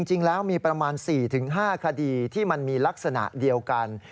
จริงแล้วมีประมาณ๔๕คดีที่มันมีลักษณะเดียวกัน